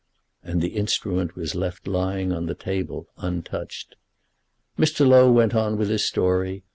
And the instrument was left lying on the table, untouched. Mr. Low went on with his story.